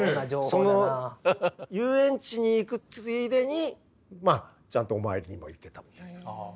その遊園地に行くついでにちゃんとお参りにも行ってたみたいな。